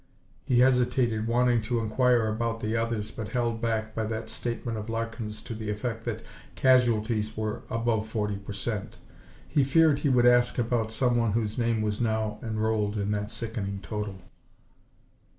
He hesitated, wanting to inquire about the others but held back by that statement of Larkin's to the effect that casualties were above forty per cent. He feared he would ask about someone whose name was now enrolled in that sickening total.